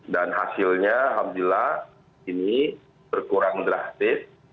dan hasilnya alhamdulillah ini berkurang drastis